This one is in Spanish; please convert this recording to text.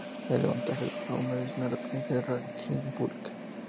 El montaje de Homer es una referencia de "Raging Bull".